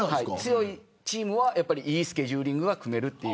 強いチームはいいスケジューリングが組める。